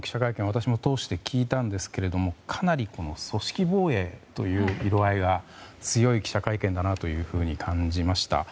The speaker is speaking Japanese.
私も通して聞いたんですけれどもかなり組織防衛という色合いが強い記者会見だなと感じました。